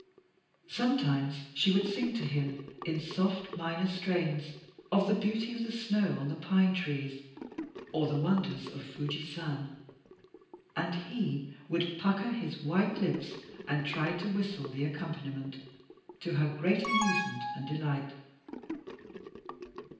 Sometimes she would sing to him, in soft minor strains, of the beauty of the snow on the pine trees, or the wonders of Fuji San. And he would pucker his white lips and try to whistle the accompaniment, to her great amusement and delight.